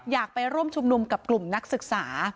อยากไปร่วมชุมนุมกับกลุ่มนักศึกษา